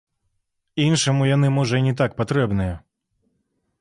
Іншаму яны, можа, і не так патрэбныя.